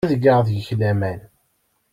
Ad geɣ deg-k laman.